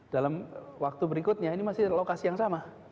dalam waktu berikutnya ini masih lokasi yang sama